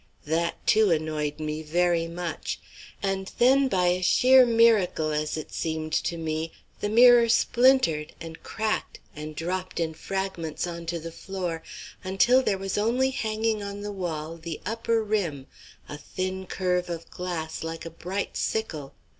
That, too, annoyed me very much, and then by a sheer miracle, as it seemed to me, the mirror splintered and cracked and dropped in fragments on to the floor, until there was only hanging on the wall the upper rim, a thin curve of glass like a bright sickle.